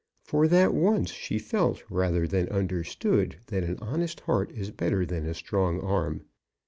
For that once she felt rather than understood that an honest heart is better than a strong arm.